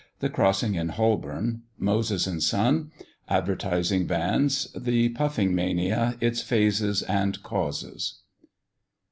THE CROSSING IN HOLBORN. MOSES AND SON. ADVERTISING VANS. THE PUFFING MANIA, ITS PHASES AND CAUSES.